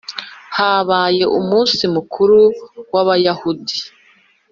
habaye umunsi mukuru w Abayahudi